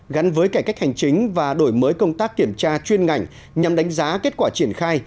gắn với cải cách hành chính và đổi mới công tác kiểm tra chuyên ngành nhằm đánh giá kết quả triển khai